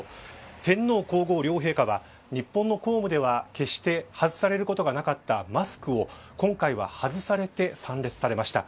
天皇皇后両陛下は日本の公務では決して外されることがなかったマスクを今回は外されて参列されました。